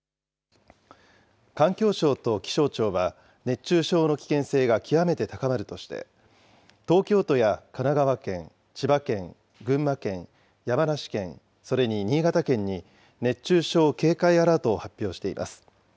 環境省と気象庁は、熱中症の危険性が極めて高まるとして、東京都や神奈川県、千葉県、群馬県、山梨県、それに新潟県に、熱中症警戒アラートを発表しています。